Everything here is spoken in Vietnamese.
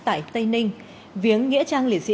tại tây ninh viếng nghĩa trang lĩa sĩ